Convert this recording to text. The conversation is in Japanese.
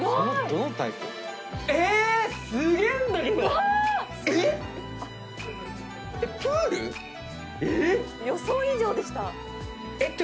うわ！予想以上でした。